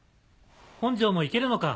本庄も行けるのか。